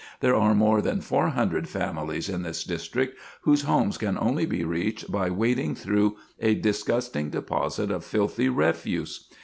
There are more than four hundred families in this district whose homes can only be reached by wading through a disgusting deposit of filthy refuse.